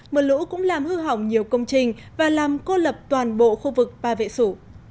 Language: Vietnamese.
mưa lũ cũng làm hư hỏng nhiều công trình và làm cô lập toàn bộ khu vực ba vệ sủ